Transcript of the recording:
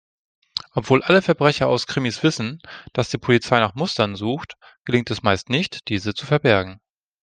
Obwohl alle Verbrecher aus Krimis wissen, dass die Polizei nach Mustern sucht, gelingt es meist nicht, diese zu verbergen.